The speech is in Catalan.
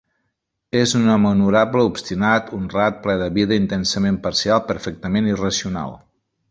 És un home honorable, obstinat, honrat, ple de vida, intensament parcial perfectament irracional.